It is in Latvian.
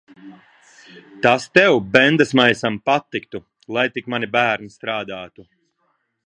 Tas tev, bendesmaisam, patiktu. Lai tik mani bērni strādātu.